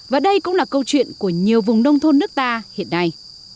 và đây cũng là câu chuyện của nhiều vùng nông thôn nước ta hiện nay